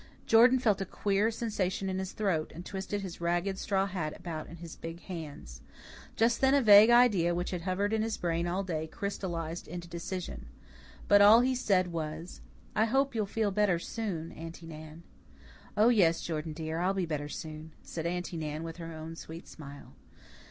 Jordan felt a queer sensation in his throat, and twisted his ragged straw hat about in his big hands. Just then a vague idea which had hovered in his brain all day crystallized into decision. But all he said was: "I hope you'll feel better soon, Aunty Nan." "Oh, yes, Jordan dear, I'll be better soon," said Aunty Nan with her own sweet smile.